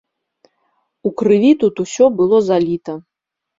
У крыві тут усё было заліта.